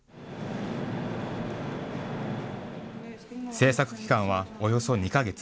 制作期間はおよそ２か月。